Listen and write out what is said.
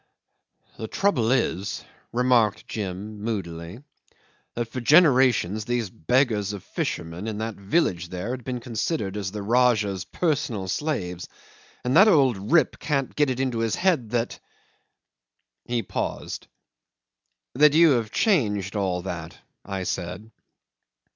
'"The trouble is," remarked Jim moodily, "that for generations these beggars of fishermen in that village there had been considered as the Rajah's personal slaves and the old rip can't get it into his head that ..." 'He paused. "That you have changed all that," I said.